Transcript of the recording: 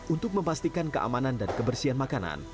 untuk memastikan keamanan dan kebersihan makanan